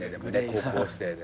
高校生で。